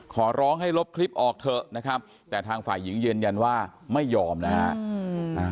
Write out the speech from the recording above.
ขอร้องให้ลบคลิปออกเถอะนะครับแต่ทางฝ่ายหญิงยืนยันว่าไม่ยอมนะฮะ